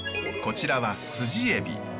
こちらはスジエビ。